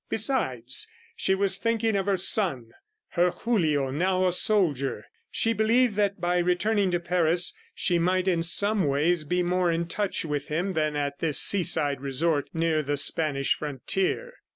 Besides, she was thinking of her son, her Julio, now a soldier. ... She believed that, by returning to Paris, she might in some ways be more in touch with him than at this seaside resort near the Spanish frontier.